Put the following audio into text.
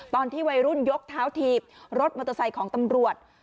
ตอนที่วัยรุ่นยกเท้าถีบรถมอเตอร์ไซค์ของตำรวจ